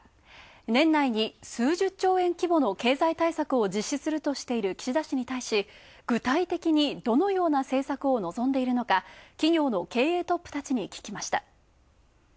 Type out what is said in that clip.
年内に数十兆円規模の経済対策を実施するとしている岸田氏に対し、具体的にどのような政策を望んでいるのか企業の経営トップたちに聞きました。